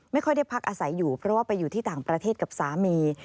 ไม่ค่อยได้พักอาศัยอยู่เพราะว่าไปอยู่ที่ต่างประเทศกับสามี